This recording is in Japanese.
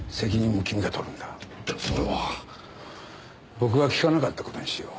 僕は聞かなかった事にしよう。